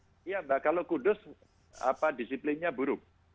oh iya iya mbak kalau kudus disiplinnya buruk